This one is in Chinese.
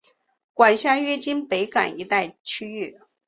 管辖约今北港一带区域。